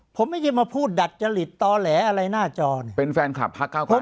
ผมไม่ใช่มาพูดดัดจริตต่อแหลอะไรหน้าจอเนี่ยเป็นแฟนคลับพักเก้าไกล